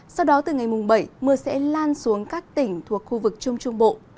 sau đó từ ngày mùng bảy mưa sẽ lan xuống các tỉnh thuộc khu vực trung trung bộ